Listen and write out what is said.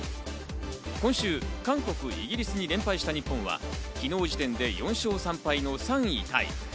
今週、韓国、イギリスに連敗した日本は昨日時点で４勝３敗の３位タイ。